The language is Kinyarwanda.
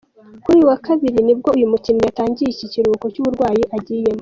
Kuri uyu wa kabiri, nibwo uyu mukinnyi yatangiye iki kiruhuko cy’uburwayi agiyemo.